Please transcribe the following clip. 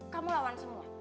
kamu lawan semua